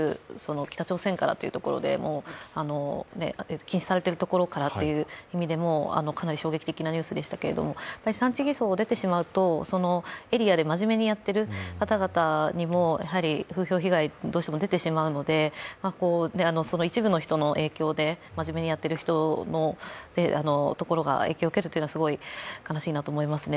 北朝鮮からというところで、禁止されているところからという意味でもかなり衝撃的なニュースでしたけれども産地偽装が出てしまうと、そのエリアで真面目にやっている方々にもやはり風評被害、どうしても出てしまうので、一部の人の影響で真面目にやっているところが影響を受けることが悲しいですね。